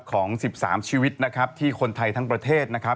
ของ๑๓ชีวิตนะครับที่คนไทยทั้งประเทศนะครับ